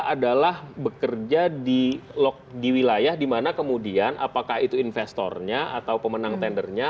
adalah bekerja di wilayah dimana kemudian apakah itu investornya atau pemenang tendernya